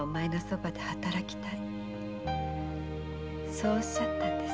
そうおっしゃったんです。